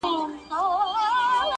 كه دي زما ديدن ياديږي,